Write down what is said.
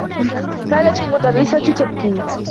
كانت المدرّسة تبكي.